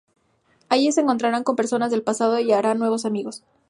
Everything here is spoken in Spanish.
Allí se encontraran con personas del pasado y harán nuevos amigos.